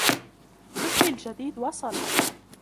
طفلي الجديد وصل!